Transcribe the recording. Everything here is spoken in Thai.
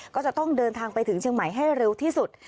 ก็จะต้องเดินทางไปถึงเชียงใหม่ให้เร็วที่สุด